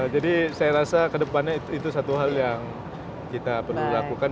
jadi saya rasa kedepannya itu satu hal yang kita perlu lakukan